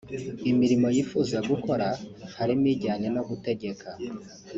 Imirimo yifuza gukora harimo ijyanye no gutegeka